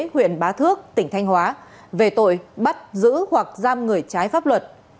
huyện bá thước tỉnh thanh hóa về tội bắt giữ hoặc giam người trái pháp luật